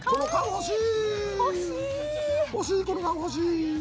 欲しいこれは欲しい。